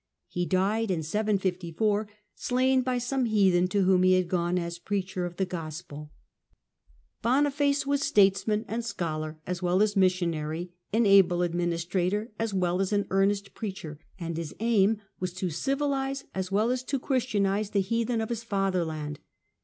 He died in 754, slain by some heathen to whom he had gone as a preacher of the Gospel. THE MAYORS OF THE PALACE 103 " Boniface was statesman and scholar as well as missionary, an able administrator as well as an earnest preacher ; and his aim was to civilise as well as to Christianise the heathen of his fatherland.